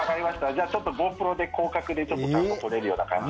じゃあ、ちょっとＧｏＰｒｏで広角でちゃんと撮れるような感じで。